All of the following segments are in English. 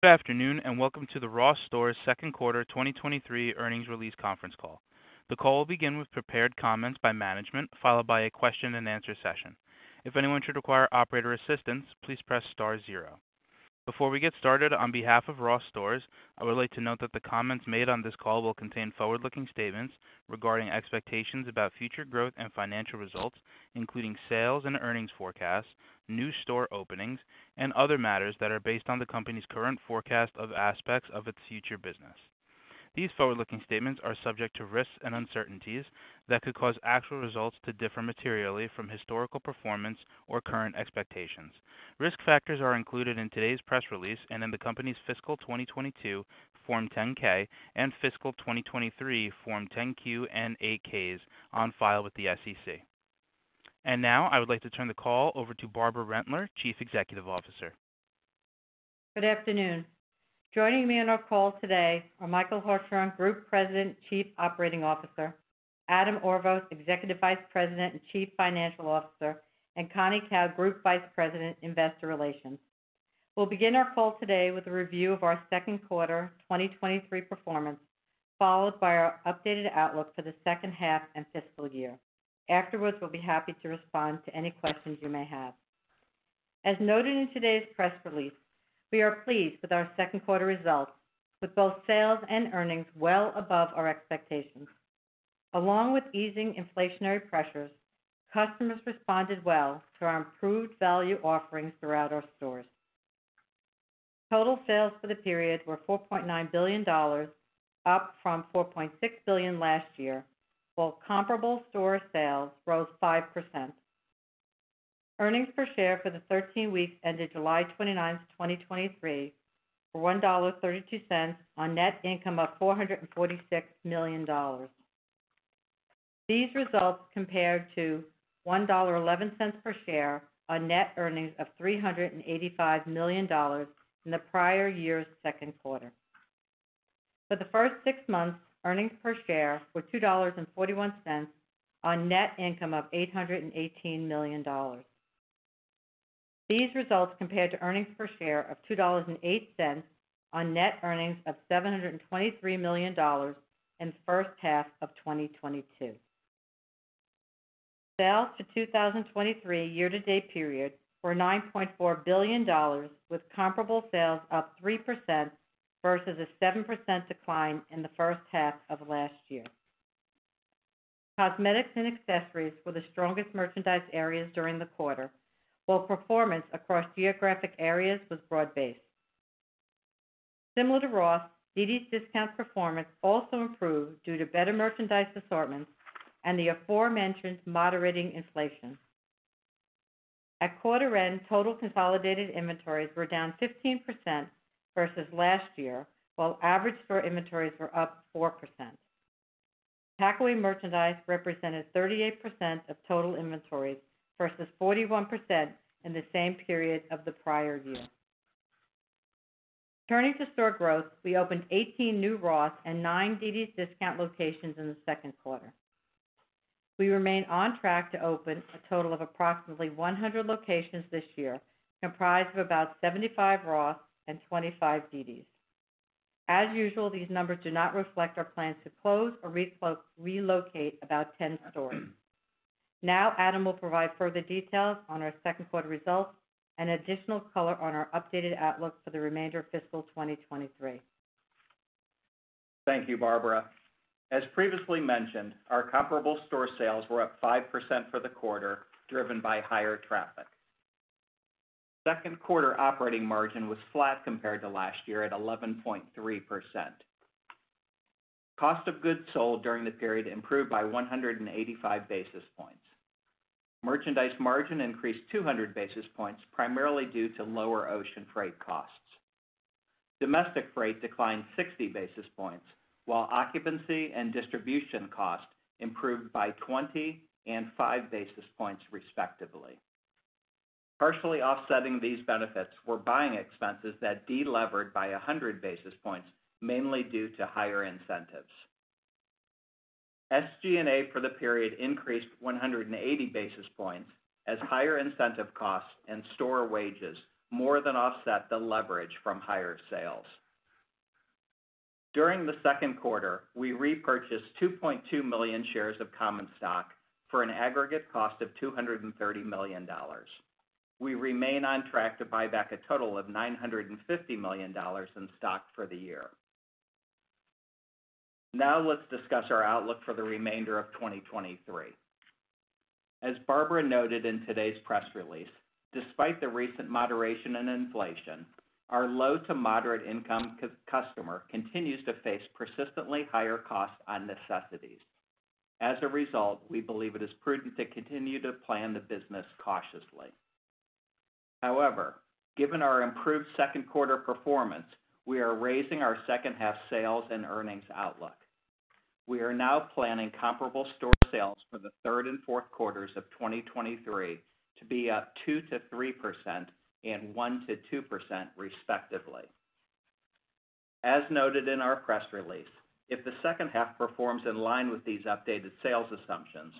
Good afternoon, and welcome to the Ross Stores second quarter 2023 earnings release conference call. The call will begin with prepared comments by management, followed by a question and answer session. If anyone should require operator assistance, please press star zero. Before we get started, on behalf of Ross Stores, I would like to note that the comments made on this call will contain forward-looking statements regarding expectations about future growth and financial results, including sales and earnings forecasts, new store openings, and other matters that are based on the company's current forecast of aspects of its future business. These forward-looking statements are subject to risks and uncertainties that could cause actual results to differ materially from historical performance or current expectations. Risk factors are included in today's press release and in the company's fiscal 2022 Form 10-K and fiscal 2023 Form 10-Q and 8-Ks on file with the SEC. Now, I would like to turn the call over to Barbara Rentler, Chief Executive Officer. Good afternoon. Joining me on our call today are Michael Hartshorn, Group President, Chief Operating Officer, Adam Orvos, Executive Vice President and Chief Financial Officer, and Connie Kao, Group Vice President, Investor Relations. We'll begin our call today with a review of our second quarter 2023 performance, followed by our updated outlook for the second half and fiscal year. Afterwards, we'll be happy to respond to any questions you may have. As noted in today's press release, we are pleased with our second quarter results, with both sales and earnings well above our expectations. Along with easing inflationary pressures, customers responded well to our improved value offerings throughout our stores. Total sales for the period were $4.9 billion, up from $4.6 billion last year, while comparable store sales rose 5%. Earnings per share for the 13 weeks ended July 29, 2023, were $1.32 on net income of $446 million. These results compared to $1.11 per share on net earnings of $385 million in the prior year's second quarter. For the first 6 months, earnings per share were $2.41 on net income of $818 million. These results compared to earnings per share of $2.08 on net earnings of $723 million in the first half of 2022. Sales to 2023 year-to-date period were $9.4 billion, with comparable sales up 3% versus a 7% decline in the first half of last year. Cosmetics and accessories were the strongest merchandise areas during the quarter, while performance across geographic areas was broad-based. Similar to Ross, dd's DISCOUNTS performance also improved due to better merchandise assortments and the aforementioned moderating inflation. At quarter end, total consolidated inventories were down 15% versus last year, while average store inventories were up 4%. Packaway merchandise represented 38% of total inventories, versus 41% in the same period of the prior year. Turning to store growth, we opened 18 new Ross and 9 dd's DISCOUNTS locations in the second quarter. We remain on track to open a total of approximately 100 locations this year, comprised of about 75 Ross and 25 dd's. As usual, these numbers do not reflect our plans to close or relocate about 10 stores. Adam will provide further details on our second quarter results and additional color on our updated outlook for the remainder of fiscal 2023. Thank you, Barbara. As previously mentioned, our comparable store sales were up 5% for the quarter, driven by higher traffic. Second quarter operating margin was flat compared to last year at 11.3%. Cost of goods sold during the period improved by 185 basis points. Merchandise margin increased 200 basis points, primarily due to lower ocean freight costs. Domestic freight declined 60 bps, while occupancy and distribution costs improved by 20 and 5 bps, respectively. Partially offsetting these benefits were buying expenses that delevered by 100 bps, mainly due to higher incentives. SG&A for the period increased 180 basis points, as higher incentive costs and store wages more than offset the leverage from higher sales. During the second quarter, we repurchased 2.2 million shares of common stock for an aggregate cost of $230 million. We remain on track to buy back a total of $950 million in stock for the year. Now, let's discuss our outlook for the remainder of 2023. As Barbara noted in today's press release, despite the recent moderation in inflation, our low to moderate income customer continues to face persistently higher costs on necessities. As a result, we believe it is prudent to continue to plan the business cautiously. However, given our improved second quarter performance, we are raising our second half sales and earnings outlook. We are now planning comparable store sales for the third and fourth quarters of 2023 to be up 2%-3% and 1%-2%, respectively. As noted in our press release, if the second half performs in line with these updated sales assumptions,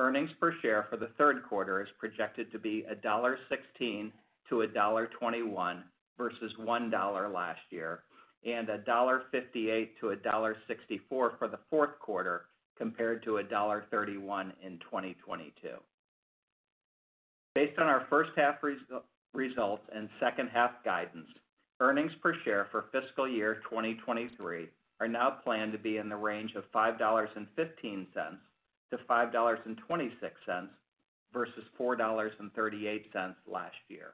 earnings per share for the third quarter is projected to be $1.16-$1.21 versus $1.00 last year, and $1.58-$1.64 for the fourth quarter, compared to $1.31 in 2022. Based on our first half results and second half guidance, earnings per share for fiscal year 2023 are now planned to be in the range of $5.15-$5.26, versus $4.38 last year.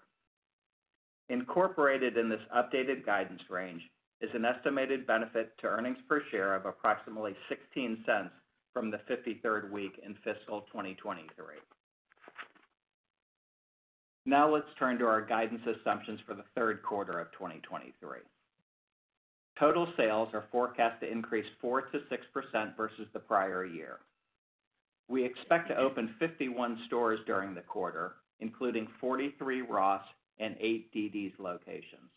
Incorporated in this updated guidance range is an estimated benefit to earnings per share of approximately $0.16 from the fifty-third week in fiscal 2023. Now let's turn to our guidance assumptions for the third quarter of 2023. Total sales are forecast to increase 4%-6% versus the prior year. We expect to open 51 stores during the quarter, including 43 Ross and 8 dd's DISCOUNTS locations.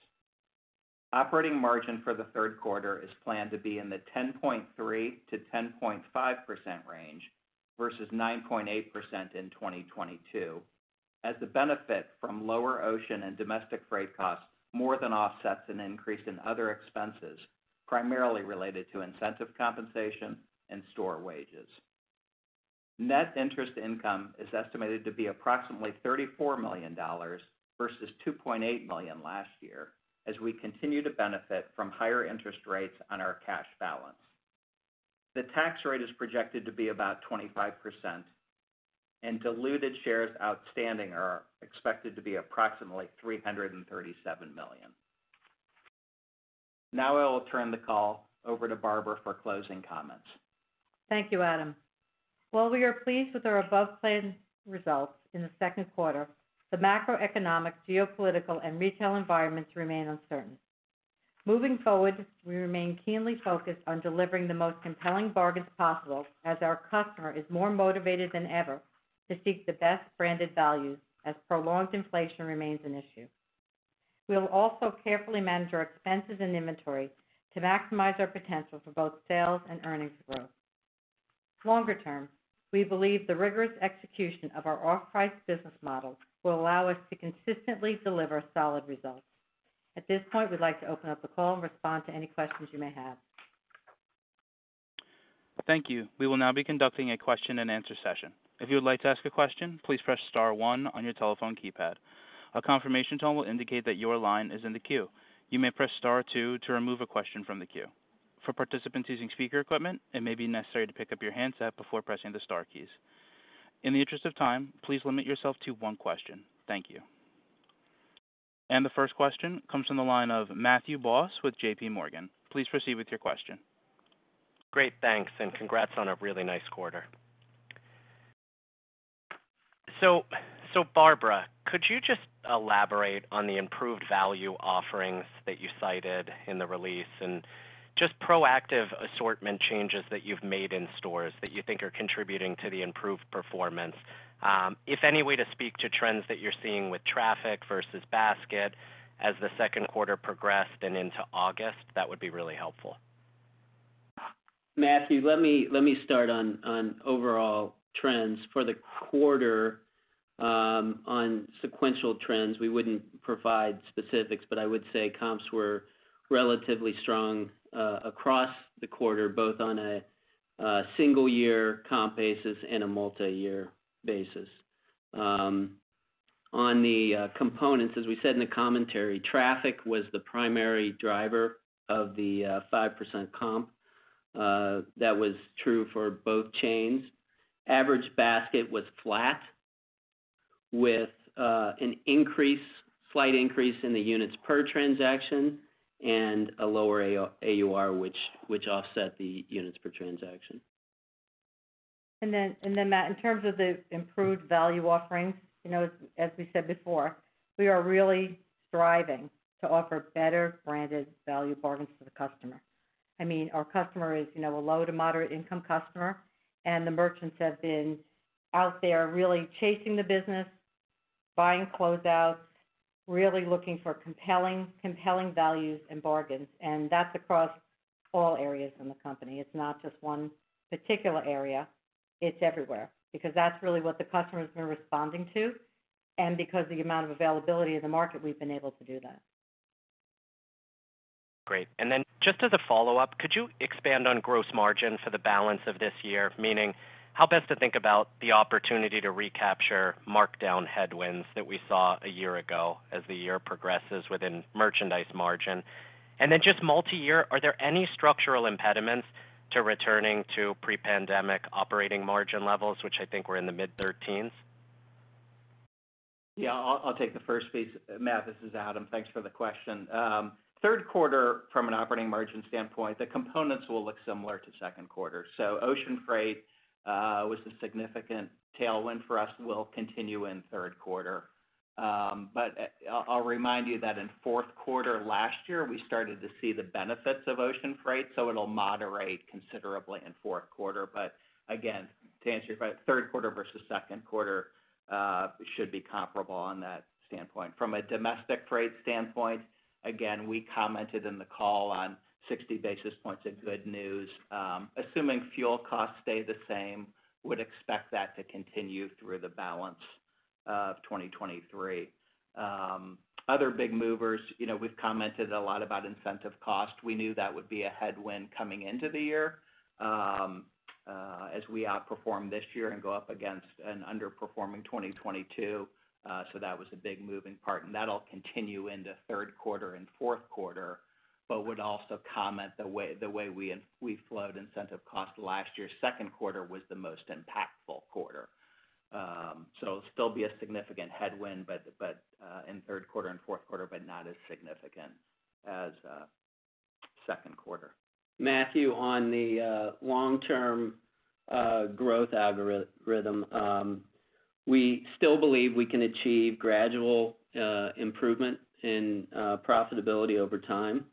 Operating margin for the third quarter is planned to be in the 10.3%-10.5% range, versus 9.8% in 2022, as the benefit from lower ocean and domestic freight costs more than offsets an increase in other expenses, primarily related to incentive compensation and store wages. Net interest income is estimated to be approximately $34 million versus $2.8 million last year, as we continue to benefit from higher interest rates on our cash balance. The tax rate is projected to be about 25%, and diluted shares outstanding are expected to be approximately 337 million. Now I will turn the call over to Barbara for closing comments. Thank you, Adam. While we are pleased with our above-plan results in the second quarter, the macroeconomic, geopolitical, and retail environments remain uncertain. Moving forward, we remain keenly focused on delivering the most compelling bargains possible as our customer is more motivated than ever to seek the best branded values as prolonged inflation remains an issue. We'll also carefully manage our expenses and inventory to maximize our potential for both sales and earnings growth. Longer term, we believe the rigorous execution of our off-price business model will allow us to consistently deliver solid results. At this point, we'd like to open up the call and respond to any questions you may have. Thank you. We will now be conducting a question-and-answer session. If you would like to ask a question, please press star one on your telephone keypad. A confirmation tone will indicate that your line is in the queue. You may press star two to remove a question from the queue. For participants using speaker equipment, it may be necessary to pick up your handset before pressing the star keys. In the interest of time, please limit yourself to one question. Thank you. The first question comes from the line of Matthew Boss with JPMorgan. Please proceed with your question. Great, thanks, and congrats on a really nice quarter. Barbara, could you just elaborate on the improved value offerings that you cited in the release, and just proactive assortment changes that you've made in stores that you think are contributing to the improved performance? If any way, to speak to trends that you're seeing with traffic versus basket as the second quarter progressed and into August, that would be really helpful. Matthew, let me, let me start on, on overall trends. For the quarter, on sequential trends, we wouldn't provide specifics, but I would say comps were relatively strong across the quarter, both on a single year comp basis and a multiyear basis. On the components, as we said in the commentary, traffic was the primary driver of the 5% comp. That was true for both chains. Average basket was flat, with a slight increase in the units per transaction and a lower AU- AUR, which, which offset the units per transaction. Then, and then, Matt, in terms of the improved value offerings, you know, as, as we said before, we are really striving to offer better branded value bargains to the customer. I mean, our customer is, you know, a low to moderate income customer, and the merchants have been out there really chasing the business, buying closeouts, really looking for compelling, compelling values and bargains, and that's across all areas in the company. It's not just one particular area, it's everywhere, because that's really what the customers are responding to, and because the amount of availability in the market, we've been able to do that. Great. Then just as a follow-up, could you expand on gross margin for the balance of this year? Meaning, how best to think about the opportunity to recapture markdown headwinds that we saw a year ago as the year progresses within merchandise margin. Then just multi-year, are there any structural impediments to returning to pre-pandemic operating margin levels, which I think were in the mid-30s? Yeah, I'll, I'll take the first piece. Matthew Boss, this is Adam Orvos. Thanks for the question. Third quarter, from an operating margin standpoint, the components will look similar to second quarter. Ocean freight was a significant tailwind for us and will continue in third quarter. I'll, I'll remind you that in fourth quarter last year, we started to see the benefits of ocean freight, so it'll moderate considerably in fourth quarter. Again, to answer your question, third quarter versus second quarter should be comparable on that standpoint. From a domestic freight standpoint, again, we commented in the call on 60 bps of good news. Assuming fuel costs stay the same, would expect that to continue through the balance of 2023. Other big movers, you know, we've commented a lot about incentive cost. We knew that would be a headwind coming into the year as we outperform this year and go up against an underperforming 2022. That was a big moving part, and that'll continue into third quarter and fourth quarter, but would also comment the way, the way we in-- we flowed incentive cost last year, second quarter was the most impactful quarter. It'll still be a significant headwind, but in third quarter and fourth quarter, but not as significant as second quarter. Matthew, on the long-term growth algorithm, we still believe we can achieve gradual improvement in profitability over time.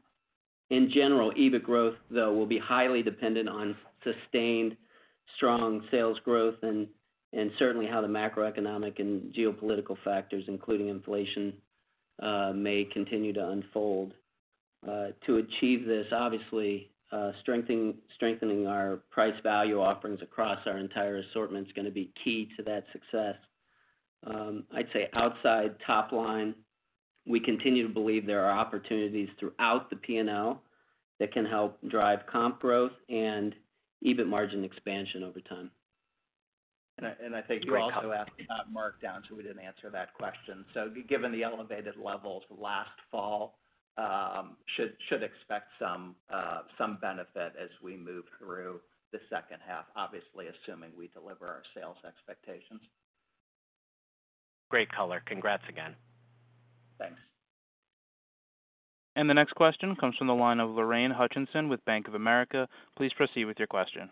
In general, EBIT growth, though, will be highly dependent on sustained strong sales growth and, and certainly how the macroeconomic and geopolitical factors, including inflation, may continue to unfold. To achieve this, obviously, strengthening, strengthening our price value offerings across our entire assortment is gonna be key to that success. I'd say outside top line, we continue to believe there are opportunities throughout the P&L that can help drive comp growth and EBIT margin expansion over time. I, and I think you also asked about markdown, so we didn't answer that question. Given the elevated levels last fall, expect some benefit as we move through the second half, obviously, assuming we deliver our sales expectations. Great color. Congrats again. Thanks. The next question comes from the line of Lorraine Hutchinson with Bank of America. Please proceed with your question.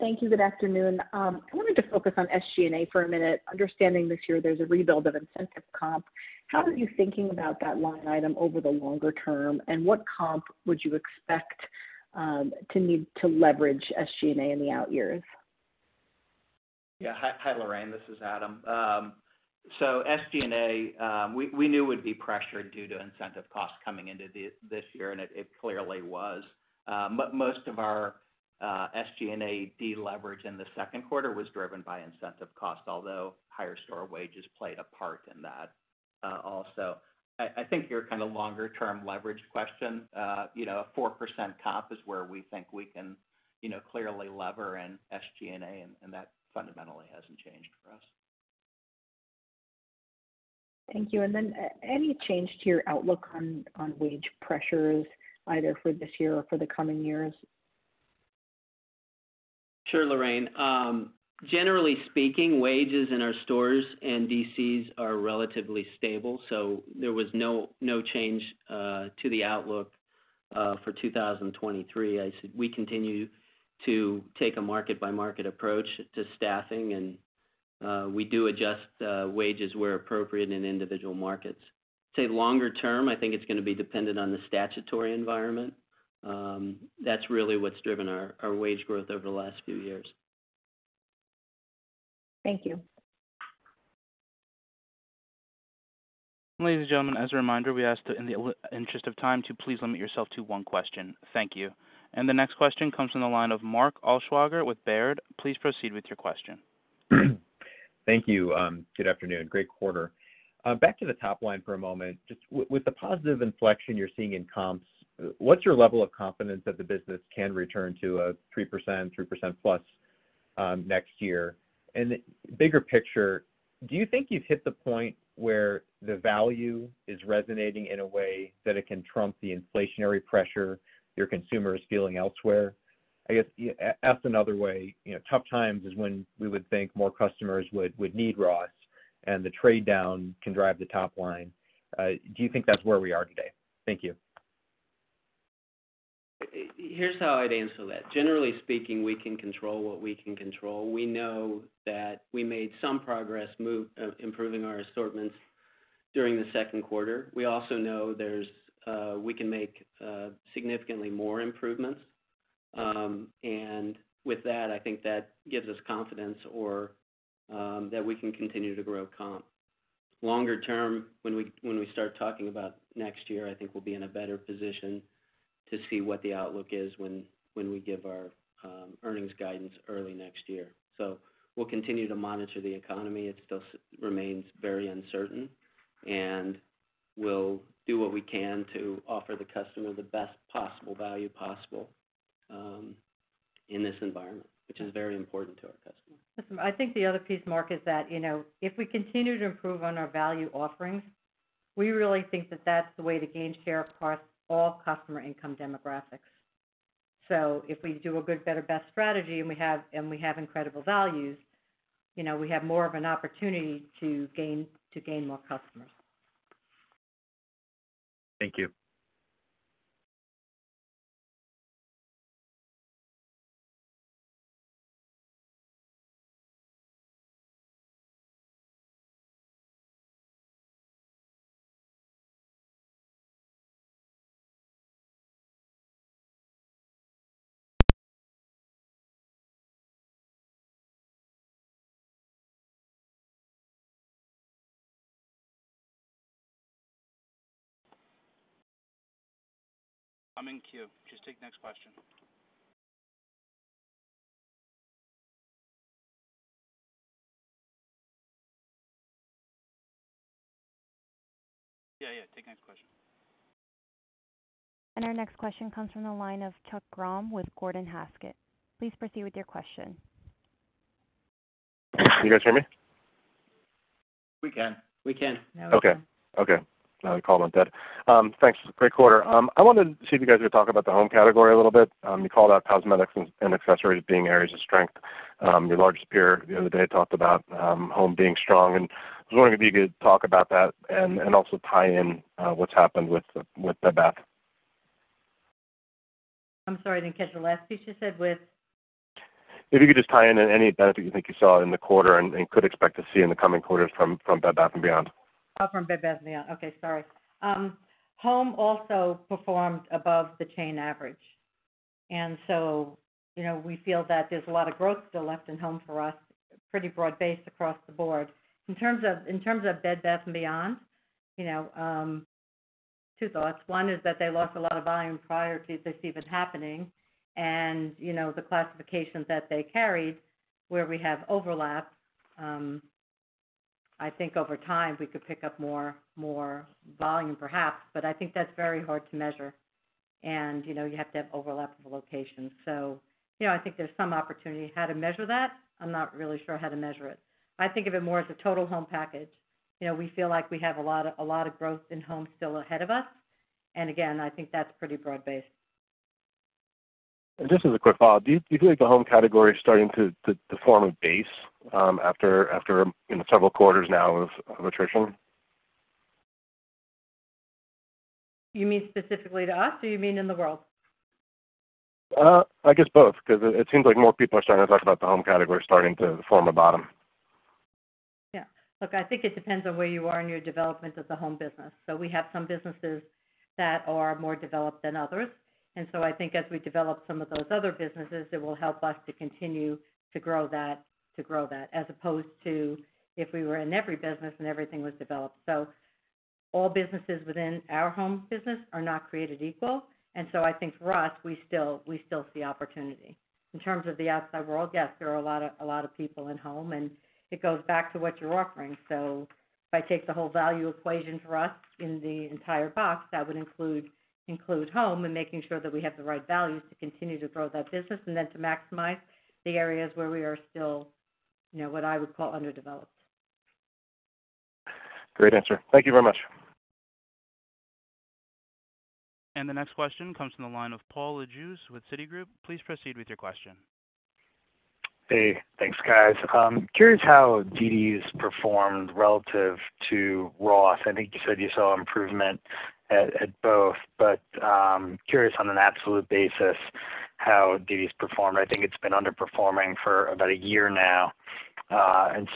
Thank you. Good afternoon. I wanted to focus on SG&A for a minute. Understanding this year there's a rebuild of incentive comp, how are you thinking about that line item over the longer term, and what comp would you expect to need to leverage SG&A in the out years? Yeah. Hi, Lorraine. This is Adam. SG&A, we knew would be pressured due to incentive costs coming into this year, and it clearly was. Most of our SG&A deleverage in the second quarter was driven by incentive costs, although higher store wages played a part in that also. I think your kind of longer-term leverage question, you know, a 4% comp is where we think we can, you know, clearly lever in SG&A, and that fundamentally hasn't changed for us. Thank you. Then, any change to your outlook on, on wage pressures, either for this year or for the coming years? Sure, Lorraine. Generally speaking, wages in our stores and DCs are relatively stable, so there was no, no change to the outlook for 2023. I said we continue to take a market-by-market approach to staffing, and we do adjust wages where appropriate in individual markets. Say, longer term, I think it's gonna be dependent on the statutory environment. That's really what's driven our, our wage growth over the last few years. Thank you. Ladies and gentlemen, as a reminder, we ask that in the interest of time, to please limit yourself to one question. Thank you. The next question comes from the line of Mark Altschwager with Baird. Please proceed with your question. Thank you. Good afternoon. Great quarter. Back to the top line for a moment. Just with the positive inflection you're seeing in comps, what's your level of confidence that the business can return to a 3%, 3%+ next year? Bigger picture, do you think you've hit the point where the value is resonating in a way that it can trump the inflationary pressure your consumer is feeling elsewhere? I guess, asked another way, you know, tough times is when we would think more customers would, would need Ross, and the trade down can drive the top line. Do you think that's where we are today? Thank you. Here's how I'd answer that: Generally speaking, we can control what we can control. We know that we made some progress improving our assortments during the second quarter. We also know there's, we can make, significantly more improvements. With that, I think that gives us confidence or, that we can continue to grow comp. Longer term, when we, when we start talking about next year, I think we'll be in a better position to see what the outlook is when, when we give our earnings guidance early next year. We'll continue to monitor the economy. It still remains very uncertain, and we'll do what we can to offer the customer the best possible value possible in this environment, which is very important to our customers. I think the other piece, Mark, is that, you know, if we continue to improve on our value offerings, we really think that that's the way to gain share across all customer income demographics. If we do a good, better, best strategy and we have, and we have incredible values, you know, we have more of an opportunity to gain, to gain more customers. Thank you. ... I'm in queue. Just take the next question. Yeah, yeah, take the next question. Our next question comes from the line of Chuck Grom with Gordon Haskett. Please proceed with your question? Can you guys hear me? We can. We can. Okay. Okay. Now the call not dead. Thanks. Great quarter. I wanted to see if you guys could talk about the home category a little bit. You called out cosmetics and accessories being areas of strength. Your largest peer the other day talked about home being strong, and I was wondering if you could talk about that and also tie in what's happened with the Bed Bath? I'm sorry, I didn't catch the last piece you said with? If you could just tie in any benefit you think you saw in the quarter and could expect to see in the coming quarters from Bed Bath & Beyond. Oh, from Bed Bath & Beyond. Okay, sorry. home also performed above the chain average. You know, we feel that there's a lot of growth still left in home for us, pretty broad-based across the board. In terms of, in terms of Bed Bath & Beyond, you know, two thoughts. One is that they lost a lot of volume prior to this even happening. You know, the classifications that they carried where we have overlap, I think over time, we could pick up more, more volume, perhaps, but I think that's very hard to measure. You know, you have to have overlap of the location. You know, I think there's some opportunity. How to measure that? I'm not really sure how to measure it. I think of it more as a total home package. You know, we feel like we have a lot, a lot of growth in home still ahead of us. Again, I think that's pretty broad-based. Just as a quick follow-up, do you feel like the home category is starting to form a base, after, you know, several quarters now of attrition? You mean specifically to us, or you mean in the world? I guess both, because it, it seems like more people are starting to talk about the home category starting to form a bottom. Yeah. Look, I think it depends on where you are in your development of the home business. We have some businesses that are more developed than others. I think as we develop some of those other businesses, it will help us to continue to grow that, to grow that, as opposed to if we were in every business and everything was developed. All businesses within our home business are not created equal, and so I think for us, we still, we still see opportunity. In terms of the outside world, yes, there are a lot of, a lot of people in home, and it goes back to what you're offering. If I take the whole value equation for us in the entire box, that would include home and making sure that we have the right values to continue to grow that business and then to maximize the areas where we are still, you know, what I would call underdeveloped. Great answer. Thank you very much. The next question comes from the line of Paul Lejuez with Citigroup. Please proceed with your question. Hey, thanks, guys. Curious how dd's DISCOUNTS performed relative to Ross. I think you said you saw improvement at, at both, but curious on an absolute basis, how dd's DISCOUNTS performed. I think it's been underperforming for about a year now.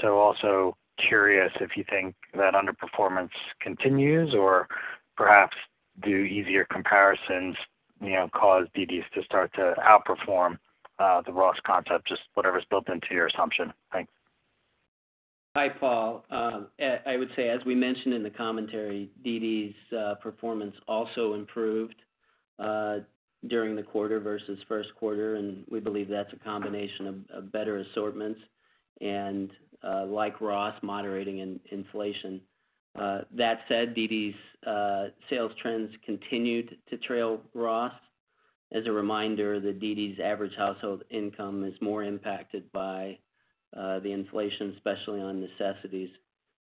Also curious if you think that underperformance continues or perhaps do easier comparisons, you know, cause dd's DISCOUNTS to start to outperform the Ross concept, just whatever's built into your assumption. Thanks. Hi, Paul. I would say, as we mentioned in the commentary, dd's performance also improved during the quarter versus first quarter, and we believe that's a combination of better assortments and, like Ross, moderating in inflation. That said, dd's sales trends continued to trail Ross. As a reminder, the dd's average household income is more impacted by the inflation, especially on necessities.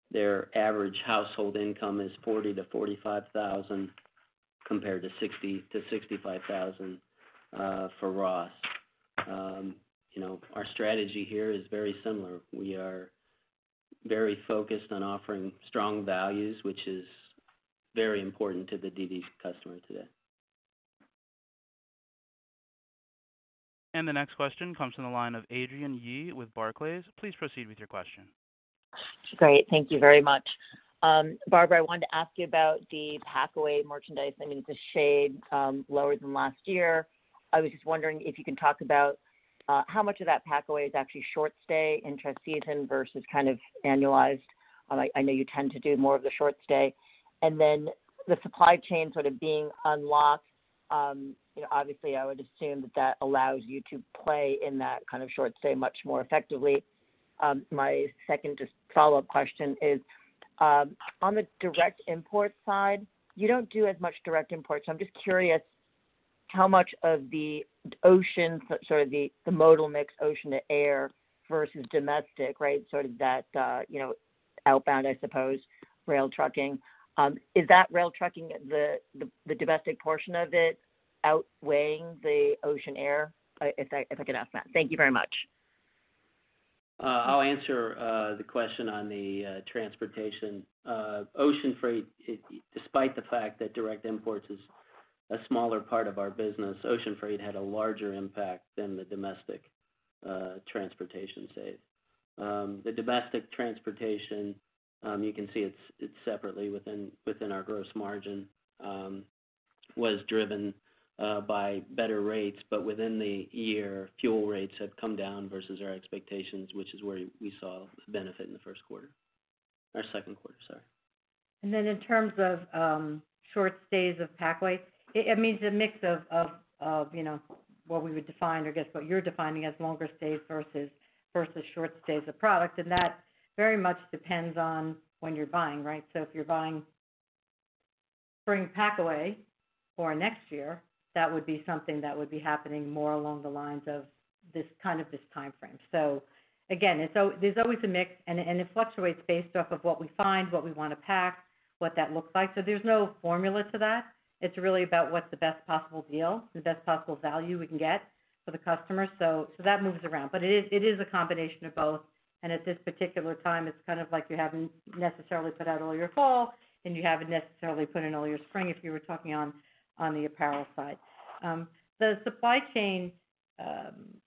Their average household income is $40,000-$45,000, compared to $60,000-$65,000 for Ross. You know, our strategy here is very similar. We are very focused on offering strong values, which is very important to the dd's customer today. The next question comes from the line of Adrienne Yih with Barclays. Please proceed with your question. Great. Thank you very much. Barbara, I wanted to ask you about the packaway merchandise. I know the shade lower than last year. I was just wondering if you can talk about how much of that packaway is actually short stay in transseason versus kind of annualized. I, I know you tend to do more of the short stay. The supply chain sort of being unlocked, you know, obviously, I would assume that that allows you to play in that kind of short stay much more effectively. My second just follow-up question is on the direct import side, you don't do as much direct import, I'm just curious how much of the ocean, so sort of the modal mix, ocean to air versus domestic, right? Sort of that, you know, outbound, I suppose, rail trucking. Is that rail trucking, the, the, the domestic portion of it outweighing the ocean air? If I, if I could ask that. Thank you very much. I'll answer the question on the transportation. Ocean freight, despite the fact that direct imports is a smaller part of our business, ocean freight had a larger impact than the domestic transportation save. The domestic transportation, you can see it's, it's separately within, within our gross margin, was driven by better rates. Within the year, fuel rates have come down versus our expectations, which is where we saw a benefit in the first quarter or second quarter, sorry. Then in terms of short stays of packaway, it, it means a mix of, you know, what we would define or I guess, what you're defining as longer stays versus, versus short stays of product. That very much depends on when you're buying, right? If you're buying spring packaway for next year, that would be something that would be happening more along the lines of this kind of, this timeframe. Again, there's always a mix, and it fluctuates based off of what we find, what we wanna pack, what that looks like. There's no formula to that. It's really about what the best possible deal, the best possible value we can get for the customer. That moves around. It is, it is a combination of both, and at this particular time, it's kind of like you haven't necessarily put out all your fall, and you haven't necessarily put in all your spring if you were talking on, on the apparel side. The supply chain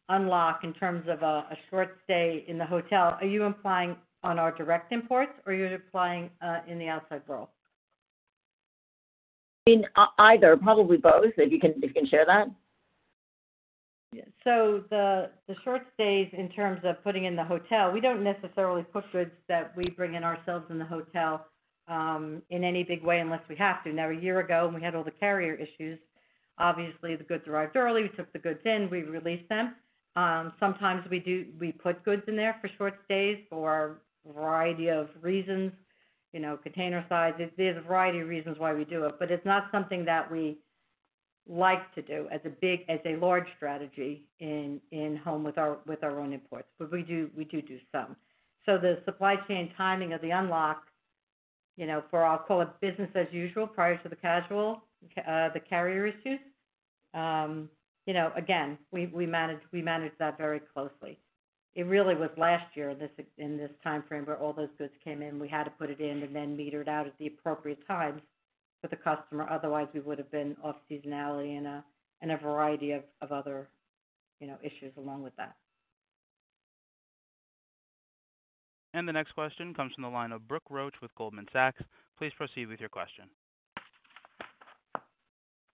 unlock in terms of a short stay in the hotel, are you implying on our direct imports, or you're implying in the outside world? In either, probably both, if you can, if you can share that. The short stays in terms of putting in the hotel, we don't necessarily put goods that we bring in ourselves in the hotel in any big way unless we have to. Now, a year ago, when we had all the carrier issues, obviously, the goods arrived early. We took the goods in. We released them. Sometimes we put goods in there for short stays for a variety of reasons, you know, container size. There's a variety of reasons why we do it, but it's not something that we like to do as a large strategy in, in home with our, with our own imports, but we do, we do do some. The supply chain timing of the unlock, you know, for I'll call it business as usual, prior to the carrier issues. You know, again, we, we manage, we manage that very closely. It really was last year, this, in this timeframe, where all those goods came in. We had to put it in and then meter it out at the appropriate times for the customer. Otherwise, we would've been off seasonality and a, and a variety of, of other, you know, issues along with that. The next question comes from the line of Brooke Roach with Goldman Sachs. Please proceed with your question.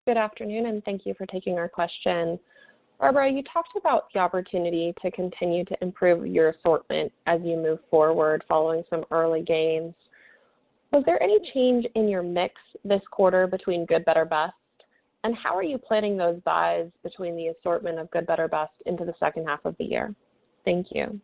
Good afternoon, and thank you for taking our question. Barbara, you talked about the opportunity to continue to improve your assortment as you move forward, following some early gains. Was there any change in your mix this quarter between good, better, best? How are you planning those buys between the assortment of good, better, best into the second half of the year? Thank you.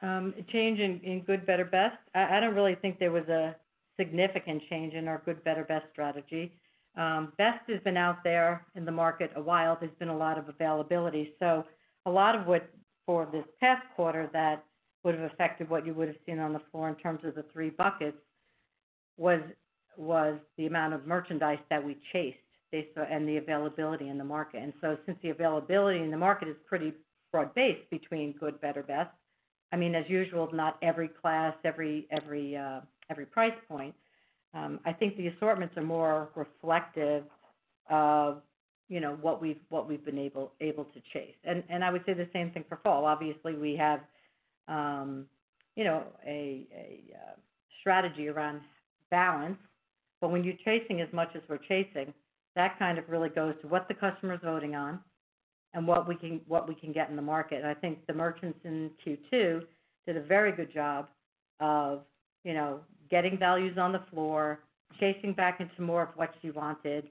Change in good, better, best? I don't really think there was a significant change in our good, better, best strategy. Best has been out there in the market a while. There's been a lot of availability. A lot of what for this past quarter that would have affected what you would have seen on the floor in terms of the three buckets, was the amount of merchandise that we chased based on the availability in the market. Since the availability in the market is pretty broad-based between good, better, best, I mean, as usual, not every class, every, every price point. I think the assortments are more reflective of, you know, what we've, what we've been able to chase. I would say the same thing for fall. Obviously, we have, you know, a strategy around balance, but when you're chasing as much as we're chasing, that kind of really goes to what the customer's voting on and what we can, what we can get in the market. I think the merchants in Q2 did a very good job of, you know, getting values on the floor, chasing back into more of what you wanted,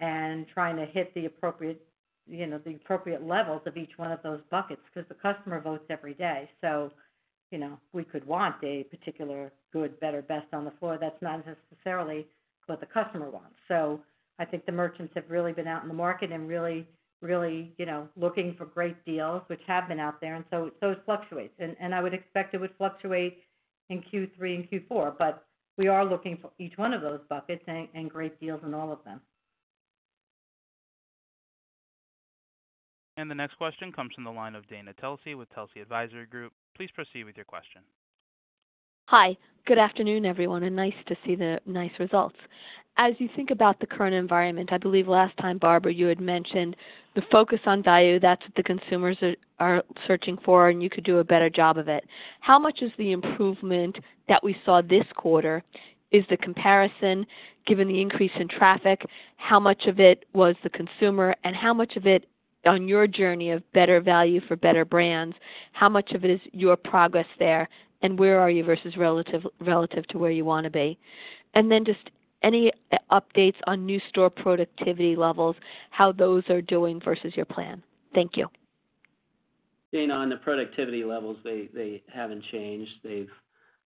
and trying to hit the appropriate, you know, the appropriate levels of each one of those buckets, 'cause the customer votes every day. You know, we could want a particular good, better, best on the floor. That's not necessarily what the customer wants. I think the merchants have really been out in the market and really, really, you know, looking for great deals, which have been out there, and so, so it fluctuates. I would expect it would fluctuate in Q3 and Q4, but we are looking for each one of those buckets and, and great deals in all of them. The next question comes from the line of Dana Telsey with Telsey Advisory Group. Please proceed with your question. Hi, good afternoon, everyone, nice to see the nice results. As you think about the current environment, I believe last time, Barbara, you had mentioned the focus on value, that's what the consumers are, are searching for, and you could do a better job of it. How much is the improvement that we saw this quarter? Is the comparison, given the increase in traffic, how much of it was the consumer, and how much of it, on your journey of better value for better brands, how much of it is your progress there, and where are you versus relative to where you want to be? Then just any updates on new store productivity levels, how those are doing versus your plan? Thank you. Dana, on the productivity levels, they, they haven't changed. They've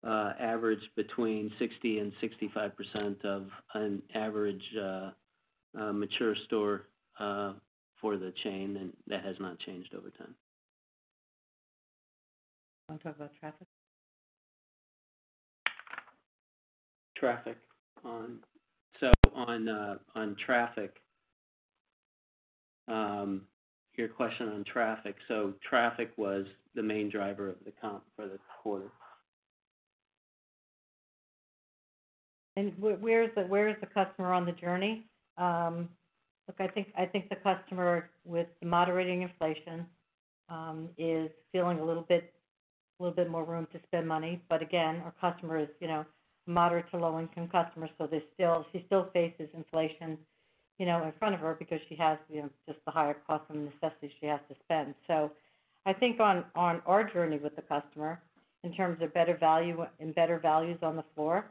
averaged between 60% and 65% of an average, mature store, for the chain, and that has not changed over time. Want to talk about traffic?... traffic on. on, on traffic, your question on traffic. traffic was the main driver of the comp for the quarter. Where is the, where is the customer on the journey? Look, I think, I think the customer with moderating inflation, is feeling a little bit, little bit more room to spend money. Again, our customer is, you know, moderate to low-income customers, so she still faces inflation, you know, in front of her because she has, you know, just the higher cost of necessities she has to spend. I think on, on our journey with the customer, in terms of better value and better values on the floor,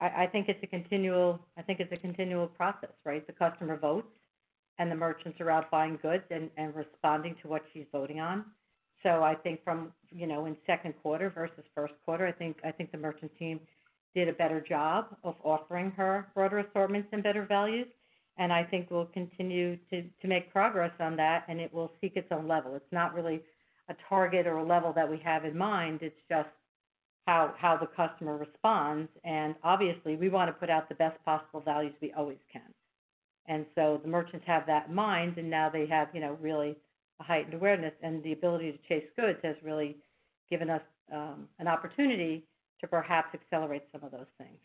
I, I think it's a continual, I think it's a continual process, right? The customer votes, and the merchants are out buying goods and, and responding to what she's voting on. I think from, you know, in second quarter versus first quarter, I think the merchant team did a better job of offering her broader assortments and better values. I think we'll continue to make progress on that, and it will seek its own level. It's not really a target or a level that we have in mind, it's just how the customer responds. Obviously, we want to put out the best possible values we always can. The merchants have that in mind, and now they have, you know, really a heightened awareness and the ability to chase goods has really given us an opportunity to perhaps accelerate some of those things.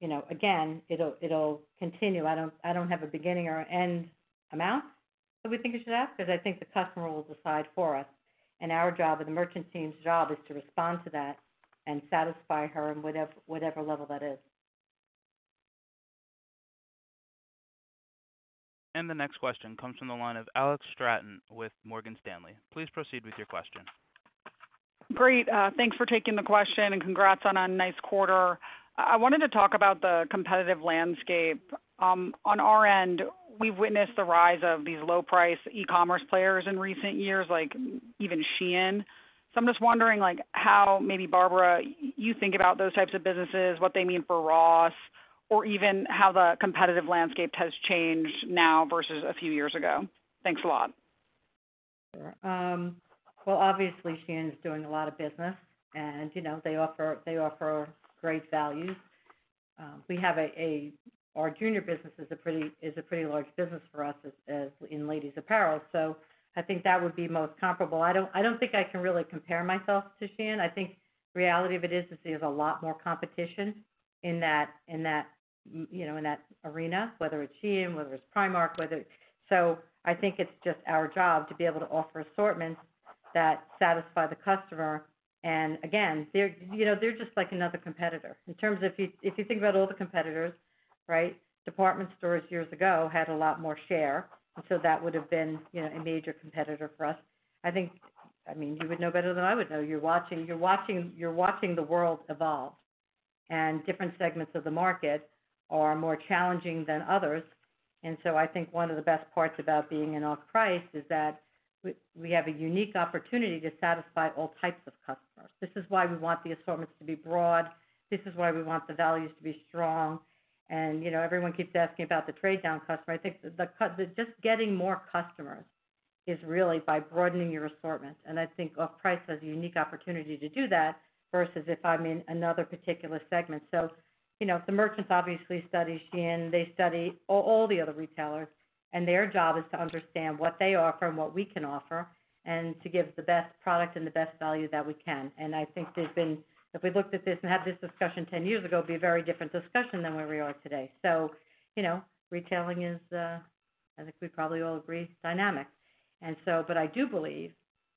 You know, again, it'll continue. I don't, I don't have a beginning or end amount that we think it should ask, because I think the customer will decide for us, and our job, and the merchant team's job, is to respond to that and satisfy her in whatever, whatever level that is. The next question comes from the line of Alexandra Straton with Morgan Stanley. Please proceed with your question. Great, thanks for taking the question. Congrats on a nice quarter. I wanted to talk about the competitive landscape. On our end, we've witnessed the rise of these low-price e-commerce players in recent years, like even Shein. I'm just wondering, like, how, maybe Barbara, you think about those types of businesses, what they mean for Ross, or even how the competitive landscape has changed now versus a few years ago? Thanks a lot. Well, obviously, Shein is doing a lot of business, and, you know, they offer, they offer great value. Our junior business is a pretty, is a pretty large business for us as in ladies apparel, so I think that would be most comparable. I don't, I don't think I can really compare myself to Shein. I think the reality of it is, is there's a lot more competition in that, in that, you know, in that arena, whether it's Shein, whether it's Primark, whether. I think it's just our job to be able to offer assortments that satisfy the customer. Again, they're, you know, they're just like another competitor. In terms of if you, if you think about all the competitors, right, department stores years ago had a lot more share, and so that would have been, you know, a major competitor for us. I think, I mean, you would know better than I would know. You're watching, you're watching, you're watching the world evolve, and different segments of the market are more challenging than others. I think one of the best parts about being in off-price is that we, we have a unique opportunity to satisfy all types of customers. This is why we want the assortments to be broad. This is why we want the values to be strong. You know, everyone keeps asking about the trade down customer. I think the just getting more customers is really by broadening your assortment, and I think off-price has a unique opportunity to do that versus if I'm in another particular segment. You know, the merchants obviously study Shein, they study all, all the other retailers, and their job is to understand what they offer and what we can offer, and to give the best product and the best value that we can. If we looked at this and had this discussion 10 years ago, it'd be a very different discussion than where we are today. You know, retailing is, I think we probably all agree, dynamic. But I do believe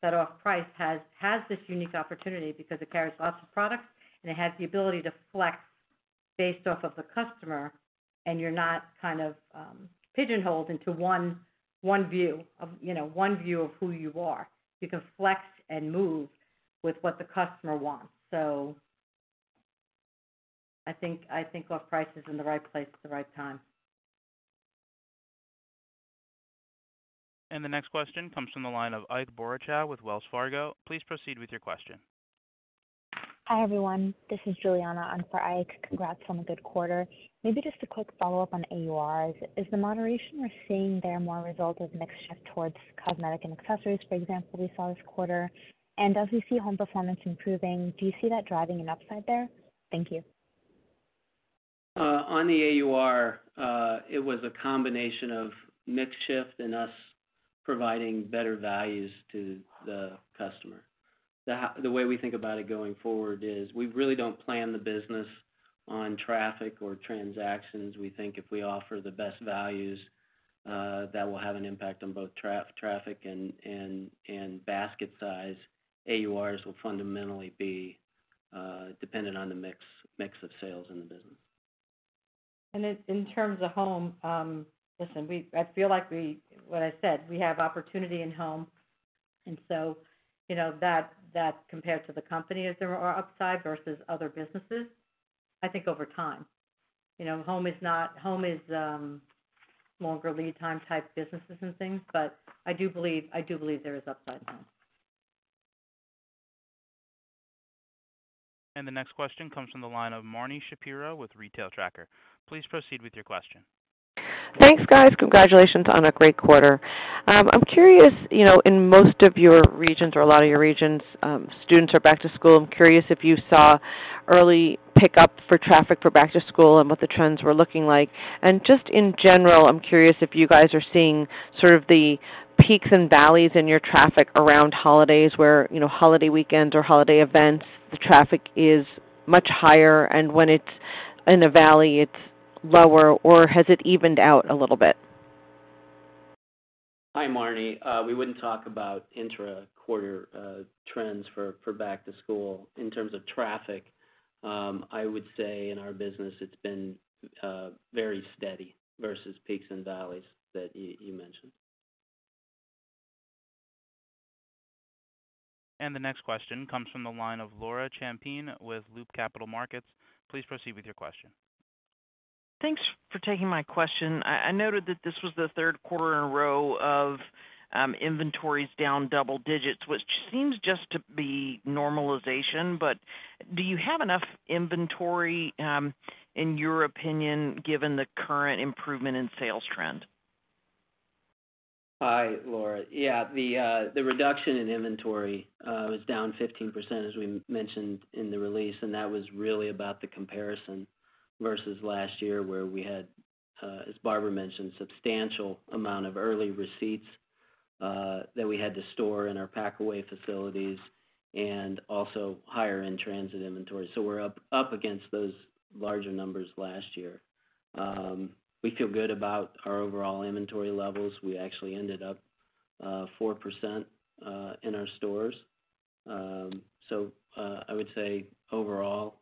that off-price has, has this unique opportunity because it carries lots of products, and it has the ability to flex based off of the customer, and you're not kind of, pigeonholed into one, one view of, you know, one view of who you are. You can flex and move with what the customer wants. I think, I think off-price is in the right place at the right time. The next question comes from the line of Ike Boruchow with Wells Fargo. Please proceed with your question. Hi, everyone. This is Juliana in for Ike. Congrats on a good quarter. Maybe just a quick follow-up on AURs. Is the moderation we're seeing there more a result of mix shift towards cosmetic and accessories, for example, we saw this quarter? As we see home performance improving, do you see that driving an upside there? Thank you. On the AUR, it was a combination of mix shift and us providing better values to the customer. The way we think about it going forward is, we really don't plan the business on traffic or transactions. We think if we offer the best values, that will have an impact on both traffic and basket size. AURs will fundamentally be dependent on the mix of sales in the business. In, in terms of home, listen, we. I feel like we... What I said, we have opportunity in home, and so you know, that, that compared to the company, is there are upside versus other businesses, I think over time. You know, home is not. Home is, more of a lead time type businesses and things, but I do believe, I do believe there is upside in home. The next question comes from the line of Marni Shapiro with The Retail Tracker. Please proceed with your question. Thanks, guys. Congratulations on a great quarter. I'm curious, you know, in most of your regions or a lot of your regions, students are back to school. I'm curious if you saw early pickup for traffic for back-to-school and what the trends were looking like. Just in general, I'm curious if you guys are seeing sort of the peaks and valleys in your traffic around holidays where, you know, holiday weekends or holiday events, the traffic is much higher, and when it's in a valley, it's lower, or has it evened out a little bit? Hi, Marni. We wouldn't talk about intra-quarter trends for, for back-to-school. In terms of traffic, I would say in our business, it's been very steady versus peaks and valleys that you, you mentioned. The next question comes from the line of Laura Champine with Loop Capital Markets. Please proceed with your question. Thanks for taking my question. I, I noted that this was the third quarter in a row of inventories down double digits, which seems just to be normalization. Do you have enough inventory, in your opinion, given the current improvement in sales trend? Hi, Laura. Yeah, the reduction in inventory was down 15%, as we mentioned in the release, and that was really about the comparison versus last year, where we had, as Barbara mentioned, substantial amount of early receipts that we had to store in our packaway facilities and also higher in transit inventory. We're up, up against those larger numbers last year. We feel good about our overall inventory levels. We actually ended up 4% in our stores. I would say overall,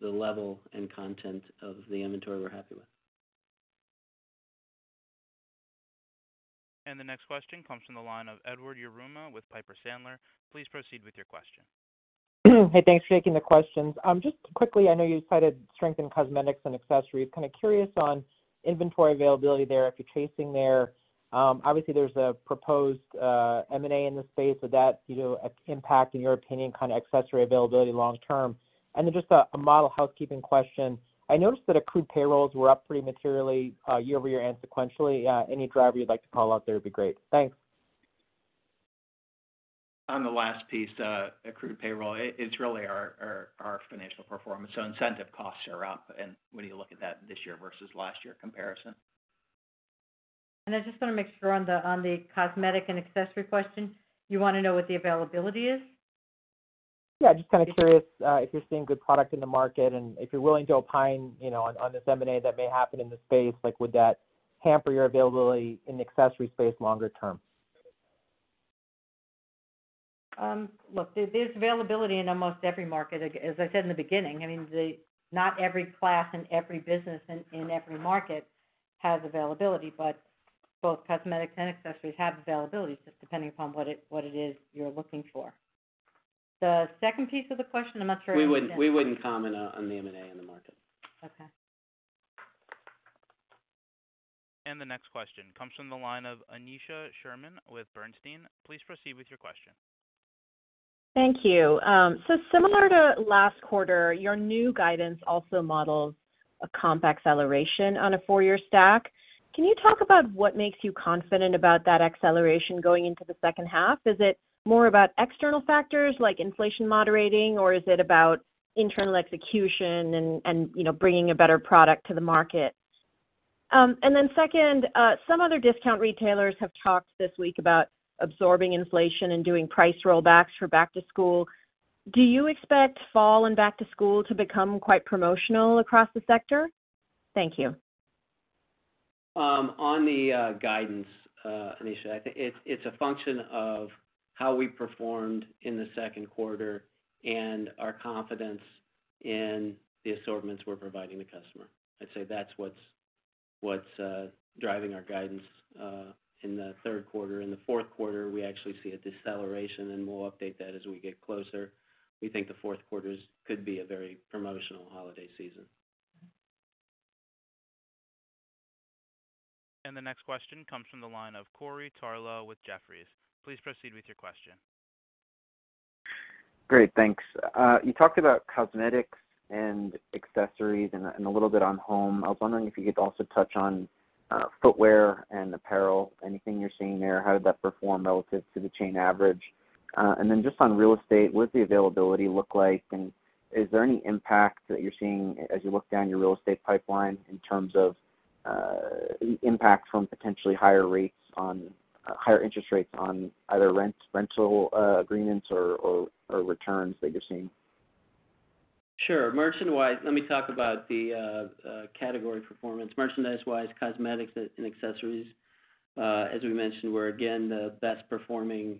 the level and content of the inventory, we're happy with. The next question comes from the line of Edward Yruma with Piper Sandler. Please proceed with your question. Hey, thanks for taking the questions. Just quickly, I know you cited strength in cosmetics and accessories. Kind of curious on inventory availability there, if you're chasing there. Obviously, there's a proposed M&A in the space. Would that, you know, impact, in your opinion, kind of accessory availability long term? Then just a model housekeeping question. I noticed that accrued payrolls were up pretty materially year-over-year and sequentially. Any driver you'd like to call out there would be great. Thanks. On the last piece, accrued payroll, it's really our, our, our financial performance. Incentive costs are up, and when you look at that this year versus last year comparison. I just wanna make sure on the, on the cosmetic and accessory question, you wanna know what the availability is? Yeah, just kinda curious, if you're seeing good product in the market and if you're willing to opine, you know, on, on this M&A that may happen in the space. Like, would that hamper your availability in the accessory space longer term? Look, there's availability in almost every market, as I said in the beginning. I mean, not every class and every business in, in every market has availability, but both cosmetics and accessories have availability, just depending upon what it, what it is you're looking for. The second piece of the question, I'm not sure. We wouldn't comment on the M&A in the market. Okay. The next question comes from the line of Aneesha Sherman with Bernstein. Please proceed with your question. Thank you. Similar to last quarter, your new guidance also models a comp acceleration on a four-year stack. Can you talk about what makes you confident about that acceleration going into the second half? Is it more about external factors like inflation moderating, or is it about internal execution and, and, you know, bringing a better product to the market? Second, some other discount retailers have talked this week about absorbing inflation and doing price rollbacks for back-to-school. Do you expect fall and back-to-school to become quite promotional across the sector? Thank you. On the guidance, Anisha, I think it's, it's a function of how we performed in the second quarter and our confidence in the assortments we're providing the customer. I'd say that's what's, what's driving our guidance in the third quarter. In the fourth quarter, we actually see a deceleration, and we'll update that as we get closer. We think the fourth quarter could be a very promotional holiday season. The next question comes from the line of Corey Tarlowe with Jefferies. Please proceed with your question. Great, thanks. You talked about cosmetics and accessories and, and a little bit on home. I was wondering if you could also touch on footwear and apparel, anything you're seeing there, how did that perform relative to the chain average, and then just on real estate, what's the availability look like, and is there any impact that you're seeing as you look down your real estate pipeline in terms of impact from potentially higher rates on higher interest rates on either rent, rental, agreements or, or, or returns that you're seeing? Sure. Merchandise-wise, let me talk about the category performance. Merchandise-wise, cosmetics and accessories, as we mentioned, were again the best performing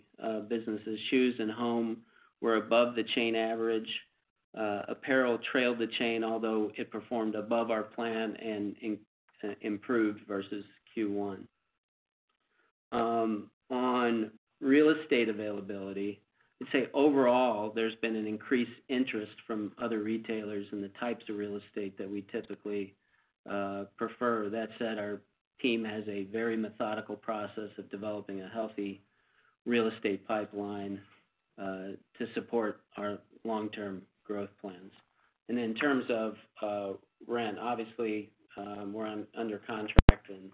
businesses. Shoes and home were above the chain average. Apparel trailed the chain, although it performed above our plan and improved versus Q1. On real estate availability, I'd say overall, there's been an increased interest from other retailers in the types of real estate that we typically prefer. That said, our team has a very methodical process of developing a healthy.... real estate pipeline, to support our long-term growth plans. In terms of, rent, obviously, we're under contract and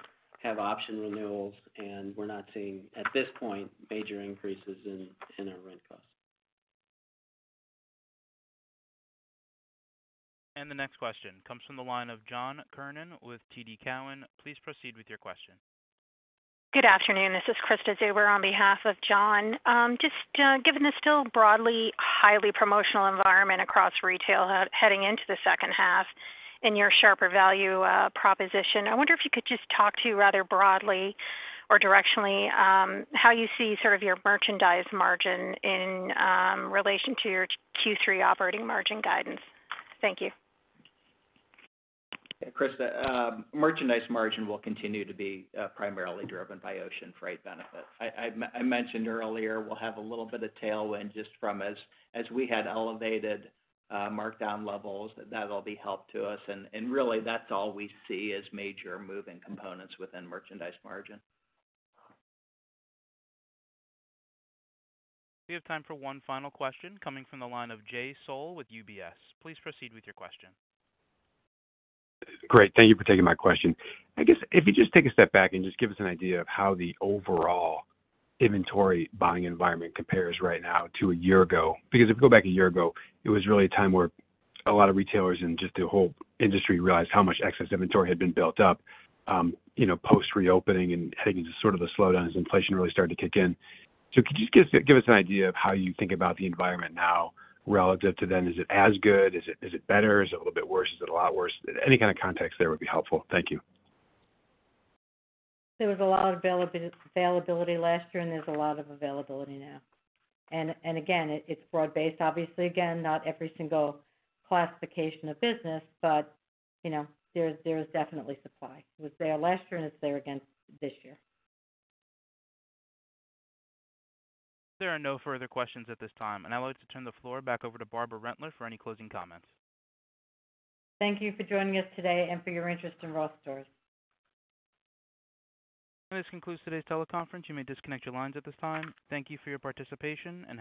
have option renewals, and we're not seeing, at this point, major increases in, in our rent costs. The next question comes from the line of John Kernan with TD Cowen. Please proceed with your question. Good afternoon. This is Krista Zuber on behalf of John. Just given the still broadly highly promotional environment across retail heading into the second half in your sharper value proposition, I wonder if you could just talk to rather broadly or directionally, how you see sort of your merchandise margin in relation to your Q3 operating margin guidance. Thank you. Hey, Krista, merchandise margin will continue to be primarily driven by ocean freight benefits. I, I, I mentioned earlier, we'll have a little bit of tailwind just from as, as we had elevated markdown levels. That'll be help to us, and, and really, that's all we see as major moving components within merchandise margin. We have time for one final question coming from the line of Jay Sole with UBS. Please proceed with your question. Great. Thank you for taking my question. I guess if you just take a step back and just give us an idea of how the overall inventory buying environment compares right now to a year ago. Because if you go back a year ago, it was really a time where a lot of retailers and just the whole industry realized how much excess inventory had been built up, you know, post-reopening and heading to sort of the slowdown as inflation really started to kick in. So could you just give us, give us an idea of how you think about the environment now relative to then? Is it as good? Is it, is it better? Is it a little bit worse? Is it a lot worse? Any kind of context there would be helpful. Thank you. There was a lot of availability last year, and there's a lot of availability now. Again, it's broad-based. Obviously, again, not every single classification of business, but, you know, there is, there is definitely supply. It was there last year, and it's there again this year. There are no further questions at this time, and I'd like to turn the floor back over to Barbara Rentler for any closing comments. Thank you for joining us today and for your interest in Ross Stores. This concludes today's teleconference. You may disconnect your lines at this time. Thank you for your participation, and have a-